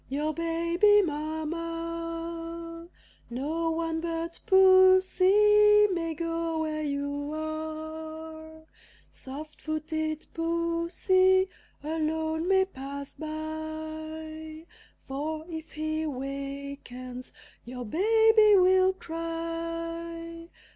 Your baby, Mamma, No one but pussy may go where you are; Soft footed pussy alone may pass by, For, if he wakens, your baby will cry.